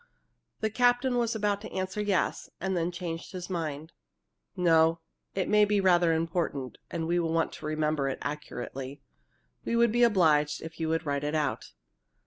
The captain was about to answer yes, and then changed his mind: "No. It may be rather important, and we want to remember it accurately. We would be obliged if you would write it out."